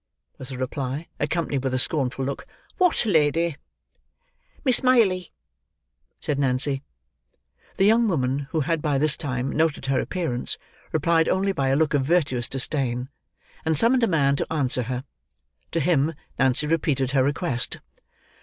was the reply, accompanied with a scornful look. "What lady?" "Miss Maylie," said Nancy. The young woman, who had by this time, noted her appearance, replied only by a look of virtuous disdain; and summoned a man to answer her. To him, Nancy repeated her request.